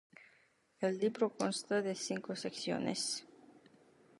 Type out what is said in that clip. El libro consta de cinco secciones.